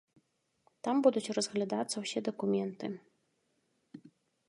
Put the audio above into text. Там будуць разглядацца ўсе дакументы.